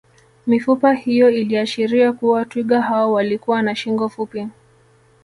Mifupa hiyo iliashiria kuwa twiga hao walikuwa na shingo fupi